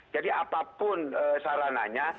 jadi apapun sarananya